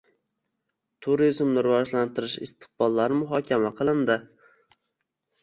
Turizmni rivojlantirish istiqbollari muhokama qilindi